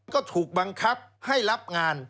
ก็ถูกบังคับให้รับงาน